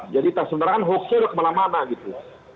jadi sebenarnya kan hoax nya udah kemana mana gitu